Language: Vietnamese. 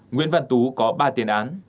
nguyễn văn tú có ba tiền án